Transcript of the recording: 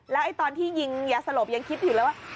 แล้วตอนที่ยิงยาสลบยังคิดอยู่เลยว่า